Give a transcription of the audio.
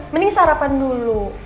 mending sarapan dulu